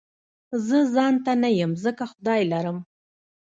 زه ځانته نه يم ځکه خدای لرم